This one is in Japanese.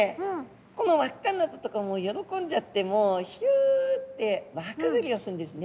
この輪っかになったとこ喜んじゃってもうひゅって輪くぐりをするんですね。